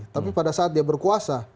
tapi pada saat dia berkuasa